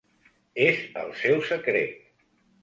És el seu secret.